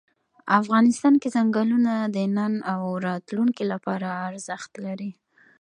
افغانستان کې ځنګلونه د نن او راتلونکي لپاره ارزښت لري.